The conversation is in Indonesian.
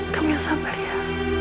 kamu yang sabar ya